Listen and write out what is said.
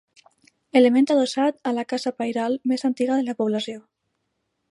Element adossat a la casa pairal més antiga de la població.